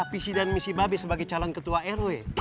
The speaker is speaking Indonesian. visi dan misi babi sebagai calon ketua rw